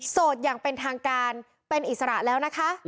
อย่างเป็นทางการเป็นอิสระแล้วนะคะ